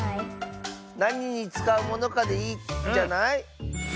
なににつかうものかでいいんじゃない？